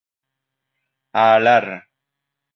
A Alar